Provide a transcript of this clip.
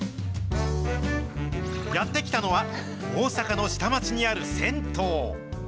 やって来たのは、大阪の下町にある銭湯。